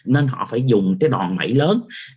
nên họ phải dùng cái đòn mẩy lớn